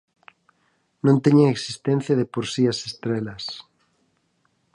Non teñen existencia de por si as estrelas.